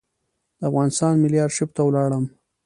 د افغانستان ملي آرشیف ته ولاړم.